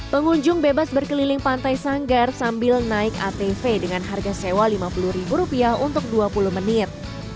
pengunjung bebas berkeliling pantai sanggar sambil naik atv dengan harga sewa rp lima puluh untuk dua puluh menit